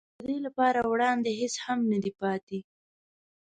د ده لپاره وړاندې هېڅ هم نه دي پاتې.